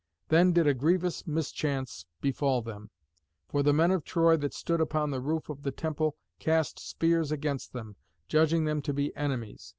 Then did a grievous mischance befall them, for the men of Troy that stood upon the roof of the temple cast spears against them, judging them to be enemies.